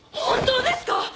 本当ですか！？